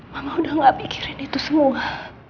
mama udah gak pikirin itu semua